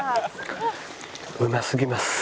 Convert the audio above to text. うますぎます。